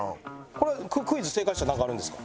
これクイズ正解したらなんかあるんですか？